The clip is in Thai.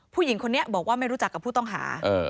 ผู้หญิงคนนี้บอกว่าไม่รู้จักกับผู้ต้องหา